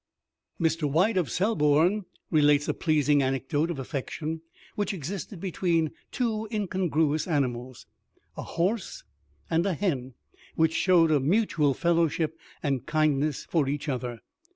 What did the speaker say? Mr. White, of Selborne, relates a pleasing anecdote of affection, which existed between two incongruous animals a horse and a hen, and which showed a mutual fellowship and kindness for each other.